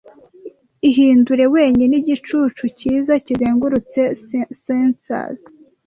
ihindure wenyine igicu cyiza kizengurutse censers